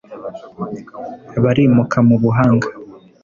barimuka mu buhanga.